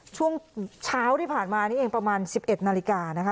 ช่วงเช้าที่ผ่านมานี่เองประมาณ๑๑นาฬิกานะคะ